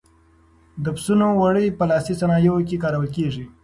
د پسونو وړۍ په لاسي صنایعو کې کارول کېږي.